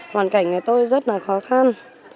hoàn cảnh này tôi rất là khó khăn